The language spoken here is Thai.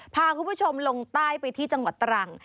พาคุณผู้ชมลงใต้ไปที่จังหวัดตรัง